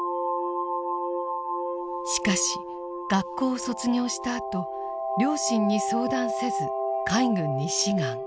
しかし学校を卒業したあと両親に相談せず海軍に志願。